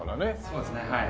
そうですねはい。